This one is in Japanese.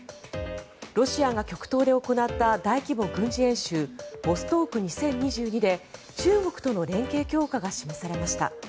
ロシアが極東で行った大規模軍事演習ボストーク２０２２で中国との連携強化が示されました。